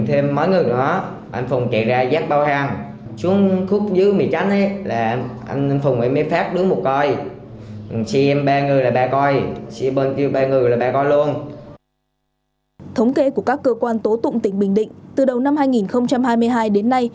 thống kê của các cơ quan tố tụng tỉnh bình định từ đầu năm hai nghìn hai mươi hai đến nay